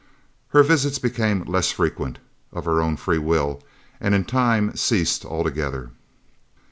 Her visits became less frequent, of her own free will, and in time ceased altogether.